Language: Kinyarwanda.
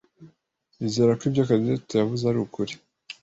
yizera ko ibyo Cadette yavuze ari ukuri.